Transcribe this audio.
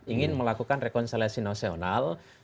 ingin melakukan rekonsiliasi nasional